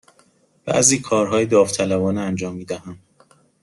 بعضی کارهای داوطلبانه انجام می دهم.